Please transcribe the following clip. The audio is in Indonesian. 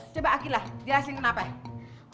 coba aki lah dihasilin kenapa ya